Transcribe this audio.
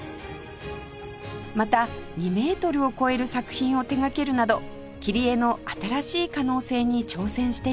また２メートルを超える作品を手がけるなど切り絵の新しい可能性に挑戦しています